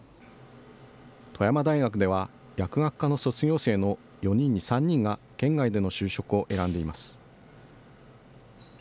富山大学では、薬学科の卒業生の４人に３人が県外での就職を選んでいます。